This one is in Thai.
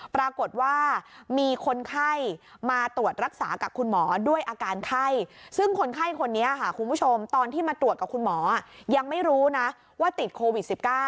ปรากฏว่ามีคนไข้มาตรวจรักษากับคุณหมอด้วยอาการไข้ซึ่งคนไข้คนนี้ค่ะคุณผู้ชมตอนที่มาตรวจกับคุณหมอยังไม่รู้นะว่าติดโควิด๑๙